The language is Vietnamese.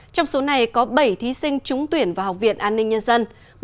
trong số này có bảy thí sinh trúng tuyển vào học viện an ninh nhân dân